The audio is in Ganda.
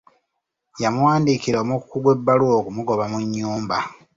Yamuwandiikira omukuku gw'ebbaluwa okumugoba mu nnyumba.